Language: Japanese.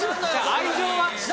愛情は？